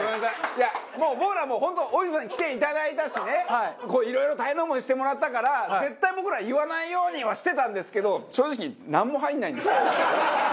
いやもう僕ら本当大泉さんに来ていただいたしねいろいろ大変な思いしてもらったから絶対僕ら言わないようにはしてたんですけど正直なんも入んないんです。